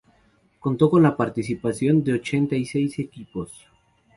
Contó con la participación de ochenta y seis equipos.